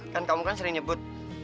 kan kamu kan sering nyebut